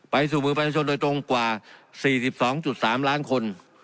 ไปสู่หมู่ผ้าชนโดยตรงกว่า๔๒๓ล้านคน